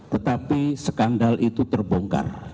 tetapi skandal itu terbongkar